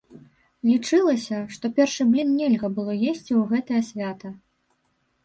Лічылася, што першы блін нельга было есці ў гэтае свята.